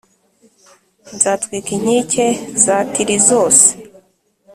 nzatwika inkike za Tiri zose